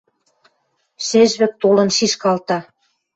Шӹжвӹк толын шишкалта.